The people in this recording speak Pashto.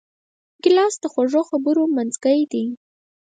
ګیلاس د خوږو خبرو منځکۍ دی.